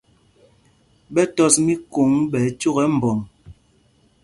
Ɓɛ tɔs míkôŋ ɓɛ ɛcók ɛ mbɔŋ.